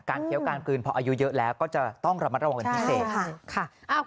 การเคี้ยวการคืนพออายุเยอะแล้วก็จะต้องระวังเป็นพิเศษค่ะค่ะ